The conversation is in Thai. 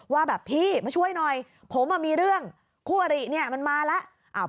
ว่าแบบพี่มาช่วยหน่อยผมมีเรื่องคู่อริเนี่ยมันมาแล้ว